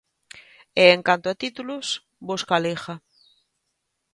E en canto a títulos, busca a Liga.